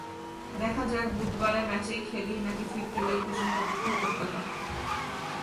দেখা যাক বুধবারের ম্যাচেই খেলি, নাকি ফিরতি লেগ পর্যন্ত অপেক্ষা করতে হয়।